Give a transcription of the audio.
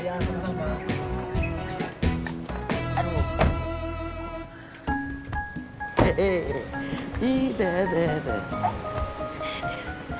terima kasih pak